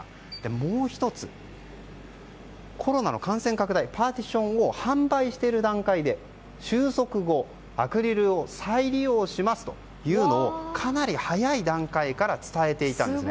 もう１つ、コロナの感染拡大でパーティションを販売している段階で収束後アクリルを再利用しますとかなり早い段階から伝えていたんです。